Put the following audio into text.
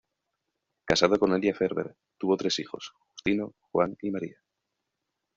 Casado con Elia Ferber, tuvo tres hijos: Justino, Juan y María.